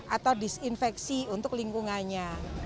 atau disinfeksi untuk lingkungannya